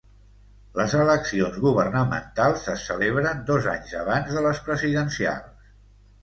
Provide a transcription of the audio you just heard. Les eleccions governamentals es celebren dos anys abans de les presidencials.